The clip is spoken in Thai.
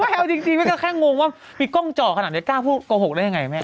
ไม่เอาจริงแม่ก็แค่งงว่ามีกล้องเจาะขนาดนี้กล้าพูดโกหกได้ยังไงแม่